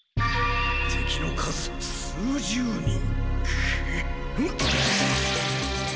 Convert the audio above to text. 敵の数数十人！